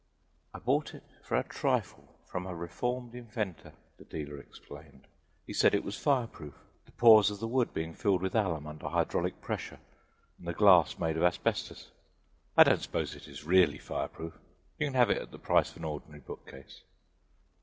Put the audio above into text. "I bought it for a trifle from a reformed inventor," the dealer explained. "He said it was fireproof, the pores of the wood being filled with alum under hydraulic pressure and the glass made of asbestos. I don't suppose it is really fireproof you can have it at the price of an ordinary book case."